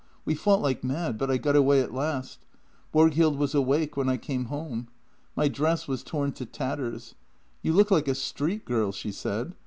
We fought like mad, but I got away at last. Borghild was awake when I came home. My dress was torn to tatters. ' You look like a street girl,' she said.